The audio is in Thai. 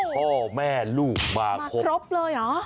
พ่อแม่ลูกมาครบครบเลยเหรอ